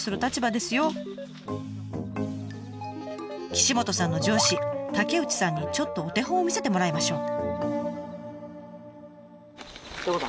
岸本さんの上司竹内さんにちょっとお手本を見せてもらいましょう。